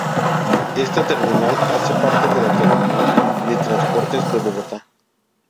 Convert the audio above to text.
Esta terminal hace parte de la Terminal de Transportes de Bogotá.